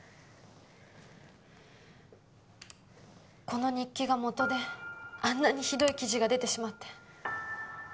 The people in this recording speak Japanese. この日記が元であんなにひどい記事が出てしまって。